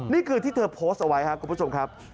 นี่คือที่เธอโพสต์เอาไว้ครับคุณผู้ชมครับ